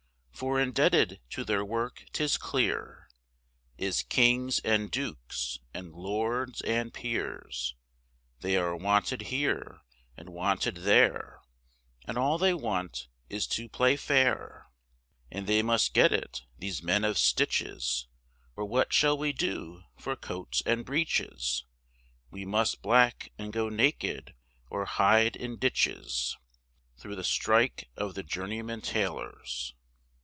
For indebted to their work 'tis clear, Is kings and dukes, and lords and peers, They are wanted here, and wanted there, And all they want is to play fair. And they must get it, these men of stitches, Or what shall we do for coats and breeches, We must black and go naked, or hide in ditches Thro' the strike of the Journeymen Tailors.